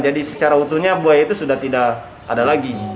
jadi secara utuhnya buaya itu sudah tidak ada lagi